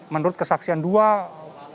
menurut kesaksian dua pegawai